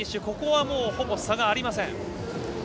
ここはほぼ差がありません。